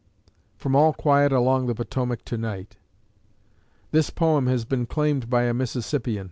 From "All Quiet Along the Potomac To night" [This poem has been claimed by a Mississippian.